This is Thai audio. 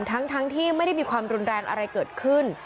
ทั้งที่ไม่ได้มีความรุนแรงอะไรเกิดขึ้น